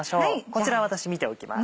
こちら私見ておきます。